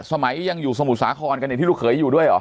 ยังอยู่สมุทรสาครกันเนี่ยที่ลูกเขยอยู่ด้วยเหรอ